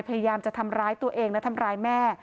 พยายามจะทำร้ายตัวเองและทำร้ายแม่